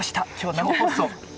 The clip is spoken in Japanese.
生放送！